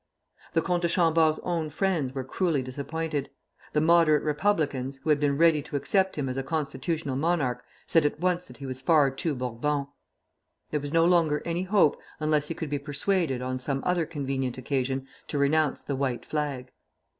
The Comte de Chambord's own friends were cruelly disappointed; the moderate Republicans, who had been ready to accept him as a constitutional monarch, said at once that he was far too Bourbon. There was no longer any hope, unless he could be persuaded, on some other convenient occasion, to renounce the "White Flag."